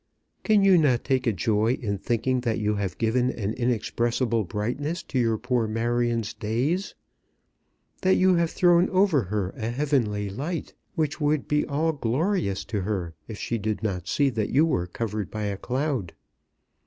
Can you not take a joy in thinking that you have given an inexpressible brightness to your poor Marion's days; that you have thrown over her a heavenly light which would be all glorious to her if she did not see that you were covered by a cloud?